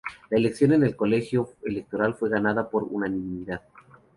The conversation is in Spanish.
La elección en el Colegio Electoral fue ganada por unanimidad.